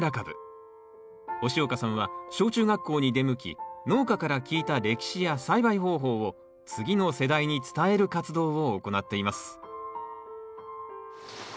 押岡さんは小中学校に出向き農家から聞いた歴史や栽培方法を次の世代に伝える活動を行っています